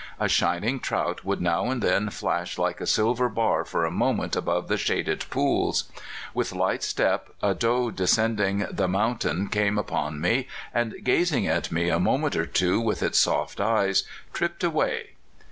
A shining trout would now and then flash like a silver bar for a moment above the shaded pools. With light step a doe descending the mountain came upon me, and, gazing at me a mo ment or two with its soft eyes, tripped away.